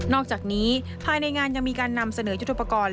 อกจากนี้ภายในงานยังมีการนำเสนอยุทธปกรณ์